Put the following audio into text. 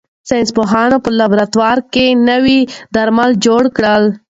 ساینس پوهانو په لابراتوار کې نوي درمل جوړ کړل.